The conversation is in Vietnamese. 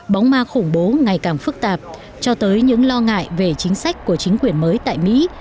bóng ma khủng bố ngày càng phức tạp cho tới những lo ngại về chính sách của chính quyền mới tại mỹ